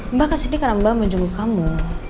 mbak kesini karena mbak menjenguk kamu